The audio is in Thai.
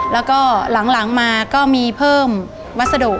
แล้วก็หลังมาก็มีเพิ่มวัสดุ